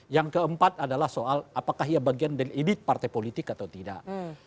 yang keempat adalah soal apakah ia bagian dari edit partai politik atau tidak